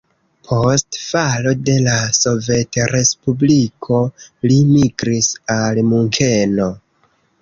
Post falo de la Sovetrespubliko li migris al Munkeno.